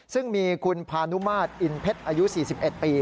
ซึ่งมีคุณพานุมาตรอินเพชรอายุ๔๑ปี